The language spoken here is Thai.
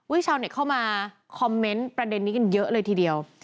ชาวเน็ตเข้ามาคอมเมนต์ประเด็นนี้กันเยอะเลยทีเดียว